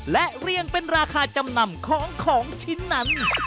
และเรียงเป็นราคาจำนำของของชิ้นนั้น